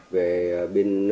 về tình cảm cho cháu